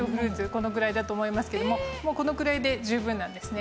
このぐらいだと思いますけどももうこのくらいで十分なんですね。